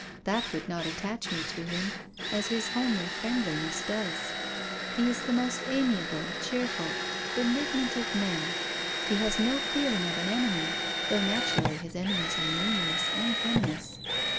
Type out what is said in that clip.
That would not attach me to him, as his homely friendliness does. He is the most amiable, cheerful, benignant of men; he has no feeling of an enemy, though naturally his enemies are numerous and venomous.